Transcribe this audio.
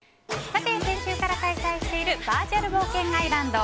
さて、先週から開催しているバーチャル冒険アイランド。